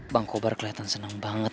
bang kobar kelihatan senang banget